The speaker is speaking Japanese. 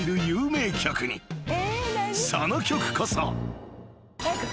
［その曲こそ］早く。